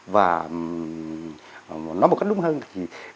và nói một cách đúng hơn thì